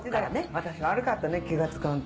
「私が悪かったね気が付かんと」